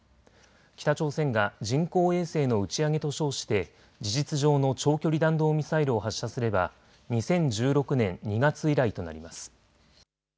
北朝鮮が人工衛星の打ち上げと称して事実上の長距離弾道ミサイルを発射すれば２０１６年２月以来となります。